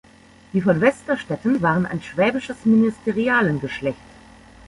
Die von Westerstetten waren ein schwäbisches Ministerialengeschlecht.